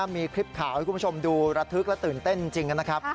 มีคลิปข่าวให้คุณผู้ชมดูระทึกและตื่นเต้นจริงนะครับ